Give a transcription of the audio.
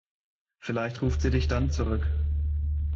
Vielleicht ruft sie dich dann zurück.